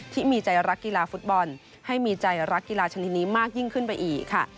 ที่มีใจรักกีฬาฟุตบอลให้มีใจรักกีฬาชนิดนี้มากยิ่งขึ้นไปอีกค่ะ